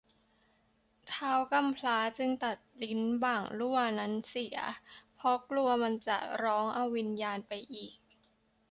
ท้าวกำพร้าจึงตัดลิ้นบ่างลั่วนั้นเสีย เพราะกลัวมันจะร้องเอาวิญญาณไปอีก